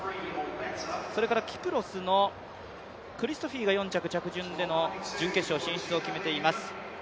それからキプロスのクリストフィが４着の着順を決めています。